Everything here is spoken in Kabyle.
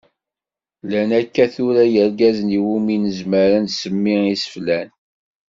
Llan akka tura yirgazen iwumi nezmer ad nsemmi iseflan.